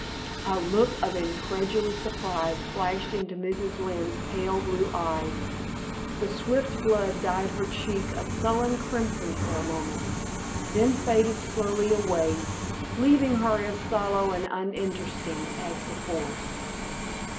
A look of incredulous surprise flashed into Mrs. Lynne's pale blue eyes; the swift blood dyed her cheek a sullen crimson for a moment, then faded slowly away, leaving her as sallow and uninteresting as before.